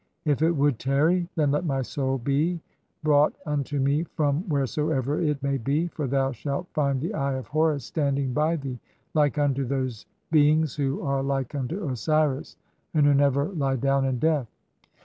If [it] would tarry, then let my soul he, brought "(3) unto me from wheresoever it may be, for thou shalt find "the Eye of Horus standing by thee like unto those beings who "are like unto Osiris, and who never lie down in death.